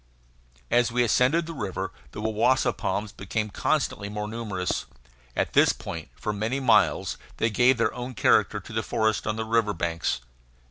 As we ascended the river the wawasa palms became constantly more numerous. At this point, for many miles, they gave their own character to the forest on the river banks.